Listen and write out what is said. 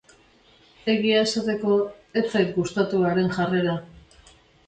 Egia esateko, ez zait gustatu haren jarrera.